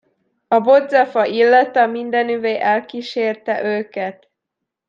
A bodzafa illata mindenüvé elkísérte őket.